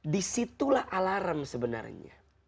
disitulah alarm sebenarnya